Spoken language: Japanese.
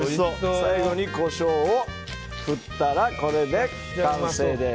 最後にコショウを振ったらこれで完成です。